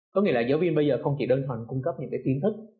có nghĩa là giáo viên bây giờ không chỉ đơn thoảng cung cấp những cái tiến thức